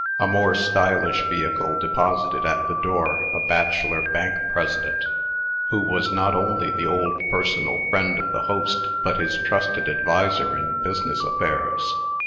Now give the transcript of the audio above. A more stylish vehicle deposited at the door a bachelor Bank President, who was not only the old personal friend of the host, but his trusted adviser in business affairs.